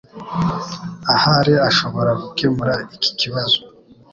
Ahari ashobora gukemura iki kibazo.